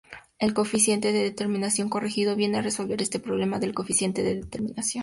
El coeficiente de determinación corregido viene a resolver este problema del coeficiente de determinación.